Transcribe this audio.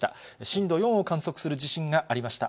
震度４を観測する地震がありました。